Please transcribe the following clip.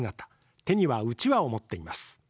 手には、うちわを持っています。